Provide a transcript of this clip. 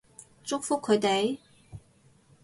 祝福佢哋